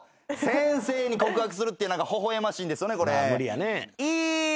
先生に告白するってほほ笑ましいんですよねこれ。